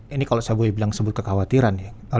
ini kalau saya bilang sebut kekhawatiran ya